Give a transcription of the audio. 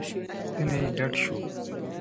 ستونی یې ډډ شو.